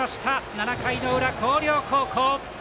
７回の裏、広陵高校。